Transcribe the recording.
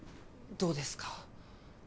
どうですか？